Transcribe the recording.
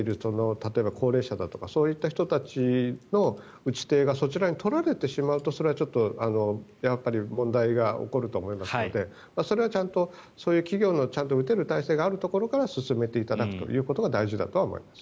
例えば、高齢者だとかそういった人たちの打ち手がそちらに取られてしまうとそれはちょっと、やっぱり問題が起こると思いますのでそれはちゃんとそういう企業のちゃんと打てる体制があるところから進めていただくということが大事だとは思います。